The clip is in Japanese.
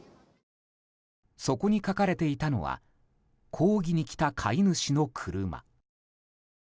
そこに書かれていたのは「抗議に来た買い主の車」。